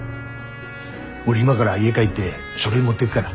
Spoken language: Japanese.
俺今から家帰って書類持ってぐから。